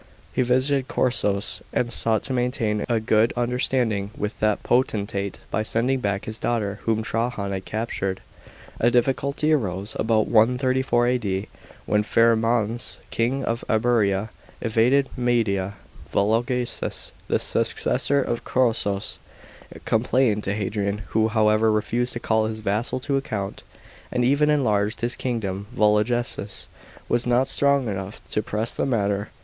He visited Chosroes, and sought to maintain a good understanding with that potentate by sending back his 125 ; 129 A.D VISITS TO GREECE. 505 daughter, whom Trajan had captured. A difficulty arose (about 134 A.D.) when Pharasmanes, king of Iberia, invaded Media. Volo geses, the successor of Chosroes, complained to Hadrian, who, however, refused to call his vassal to account, and even enlarged his kingdom. Vologeses was not strong enough to press the matter.